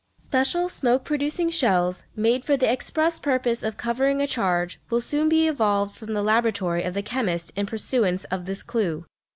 Special smoke producing shells, made for the express purpose of covering a charge, will soon be evolved from the laboratory of the chemist in pursuance of this clue.